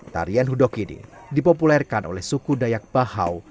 tarian hudok ini dipopulerkan oleh suku dayak bahau